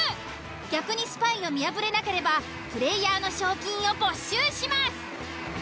逆にスパイを見破れなければプレイヤーの賞金を没収します。